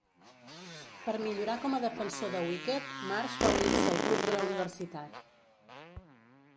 Per millorar com a defensor de wicket, Marsh va unir-se al club de la Universitat.